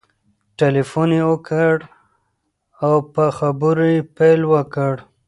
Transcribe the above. ټلیفون یې اوکې کړ او په خبرو یې پیل وکړ.